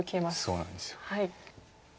そうなんです。